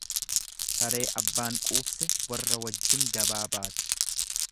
Saree abbaan quubse, warra wajjin gabaa baati.